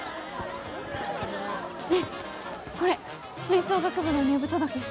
ねえこれ吹奏楽部の入部届。